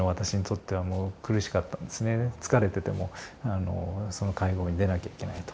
疲れててもその会合に出なきゃいけないと。